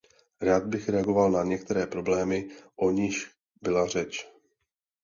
Rád bych reagoval na některé problémy, o nichž byla řeč.